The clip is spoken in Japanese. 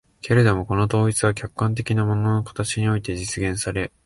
けれどもこの統一は客観的な物の形において実現され、